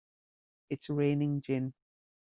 It's raining gin!